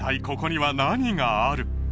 ここには何がある？